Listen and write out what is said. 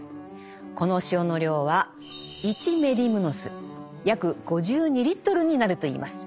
この塩の量は１メディムノス約５２リットルになるといいます。